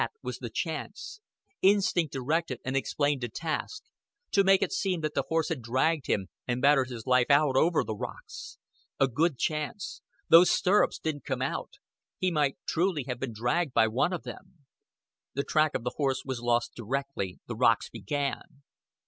That was the chance. Instinct directed and explained the task to make it seem that the horse had dragged him, and battered his life out over the rocks. A good chance. Those stirrups didn't come out. He might truly have been dragged by one of them. The track of the horse was lost directly the rocks began.